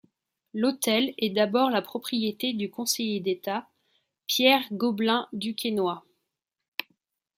L'hôtel est d'abord la propriété du conseiller d'État Pierre Gobelin du Quesnoy.